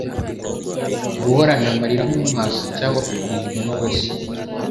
Guhorana amarira mu maso, cyangwa kurizwa n'ubusa